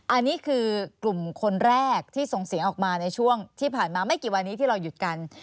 อันนี้คือกลุ่มคนแรกที่ส่งเสียงออกมาในช่วงที่ผ่านมาไม่กี่วันนี้ที่เราหยุดกัน